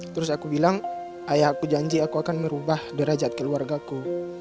terus aku bilang ayah aku janji aku akan merubah derajat keluargaku